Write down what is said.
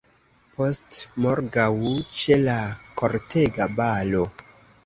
Postmorgaŭ, ĉe la kortega balo!